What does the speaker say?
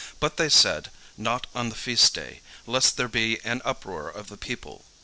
But they said, "Not on the feast day, lest there be an uproar of the people."